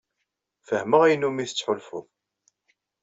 Fehmeɣ ayen umi tettḥulfuḍ.